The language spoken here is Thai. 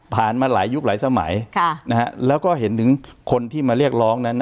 มาหลายยุคหลายสมัยแล้วก็เห็นถึงคนที่มาเรียกร้องนั้น